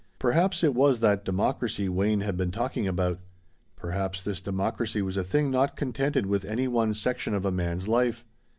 Perhaps it was that democracy Wayne had been talking about. Perhaps this democracy was a thing not contented with any one section of a man's life.